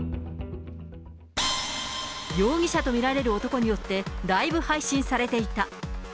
容疑者と見られる男によって、ライブ配信されていた。